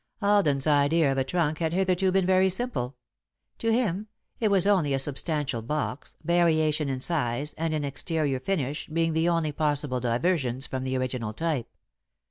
Alden's idea of a trunk had hitherto been very simple. To him, it was only a substantial box, variation in size and in exterior finish being the only possible diversions from the original type.